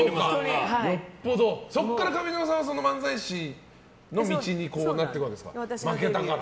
そこから上沼さんは漫才師の道になっていくわけですか負けたから。